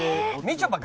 みちょぱ。